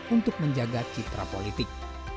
untuk menjaga citra politik